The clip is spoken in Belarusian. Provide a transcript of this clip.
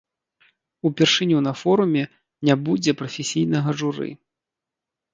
Упершыню на форуме не будзе прафесійнага журы.